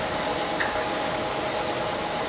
ต้องเติมเนี่ย